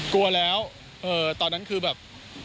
กลัวแล้วตอนนั้นคือแบบ